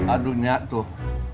aduh nyat tuh